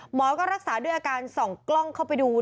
หมอก็รักษาด้วยอาการส่องกล้องเข้าไปดู